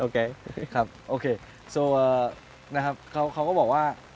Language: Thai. คุณต้องเป็นผู้งาน